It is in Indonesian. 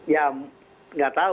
ya nggak tahu